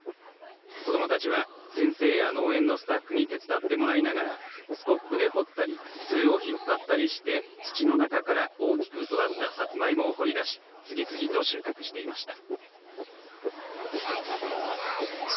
子どもたちは先生や農園のスタッフに手伝ってもらいながらスコップで掘ったりつるを引っ張ったりして土の中から大きく育ったさつまいもを掘り出し次々と収穫していました。